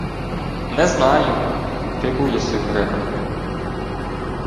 — Не знаю. Ти був єси в греках...